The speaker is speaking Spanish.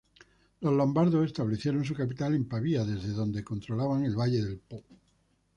Los lombardos establecieron su capital en Pavía, desde donde controlaban el valle del Po.